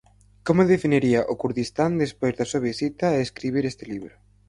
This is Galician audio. Como definiría o Curdistán despois da súa visita e escribir este libro?